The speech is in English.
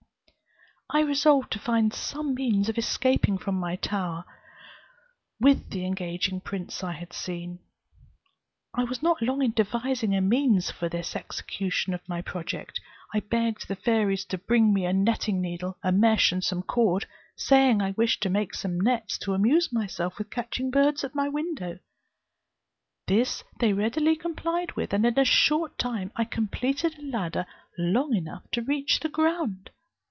"I resolved to find some means of escaping from my tower with the engaging prince I had seen. I was not long in devising a means for the execution of my project. I begged the fairies to bring me a netting needle, a mesh and some cord, saying I wished to make some nets to amuse myself with catching birds at my window. This they readily complied with, and in a short time I completed a ladder long enough to reach the ground.